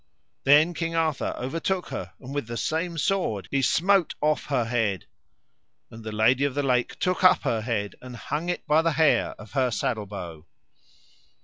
Then King Arthur overtook her, and with the same sword he smote off her head, and the Lady of the Lake took up her head and hung it up by the hair of her saddle bow.